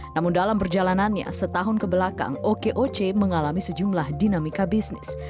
namun dalam perjalanannya setahun kebelakang okoc mengalami sejumlah dinamika bisnis